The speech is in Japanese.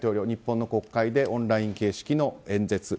日本の国会でオンライン形式の演説。